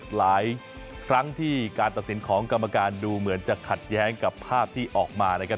หลายครั้งที่การตัดสินของกรรมการดูเหมือนจะขัดแย้งกับภาพที่ออกมานะครับ